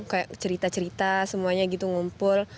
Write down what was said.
kayak cerita cerita semuanya gitu ngumpul